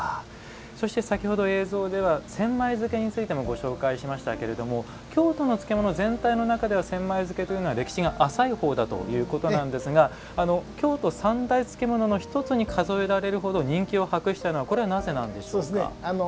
そして、先ほど映像では千枚漬についてもご紹介しましたけども京都の漬物全体の中では千枚漬は歴史が浅い方ということですが京都三大漬物の一つに数えられる程人気を博したのはなぜなんでしょうか？